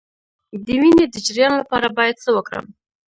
د وینې د جریان لپاره باید څه وکړم؟